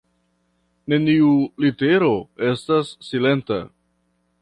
Neniu litero estas silenta.